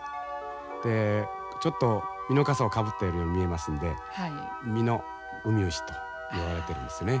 でちょっとミノカサをかぶったように見えますのでミノウミウシといわれてるんですね。